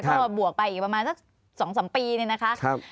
ก็บวกไปอีกประมาณสักสองสามปีนี่นะคะครับ